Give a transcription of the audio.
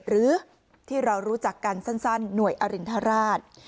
หรือที่เรารู้จักกันสั้นหน่วยอรินทราช